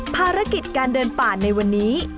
ภารกิจการเดินป่าในวันนี้